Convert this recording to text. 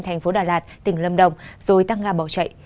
thành phố đà lạt tỉnh lâm đồng rồi tăng ga bỏ chạy